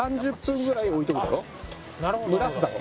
蒸らすだろ。